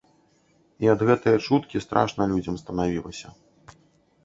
І ад гэтае чуткі страшна людзям станавілася.